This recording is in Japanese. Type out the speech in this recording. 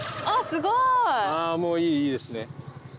あぁもういいですね。